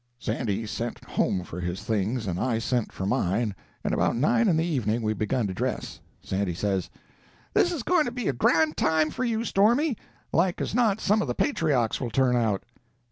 Sandy sent home for his things, and I sent for mine, and about nine in the evening we begun to dress. Sandy says,— "This is going to be a grand time for you, Stormy. Like as not some of the patriarchs will turn out."